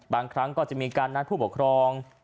บางครั้งก็จะมีการนัดผู้ปกครอง